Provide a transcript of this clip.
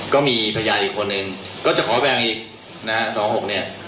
ก็มีพยานอีกคนหนึ่งก็จะขอแบ่งอีก๒๖๖นี้